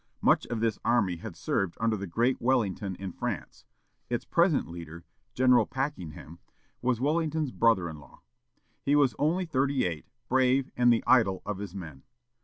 Much of this army had served under the great Wellington in France; its present leader, General Packenham, was Wellington's brother in law. He was only thirty eight, brave, and the idol of his men.